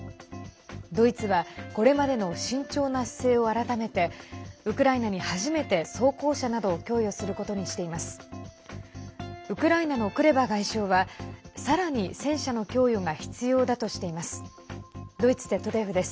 ドイツはこれまでの慎重な姿勢を改めてウクライナに初めて装甲車などを供与することにしています。